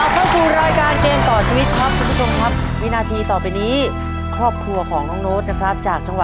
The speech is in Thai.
โปรดติดตามตอนต่อไป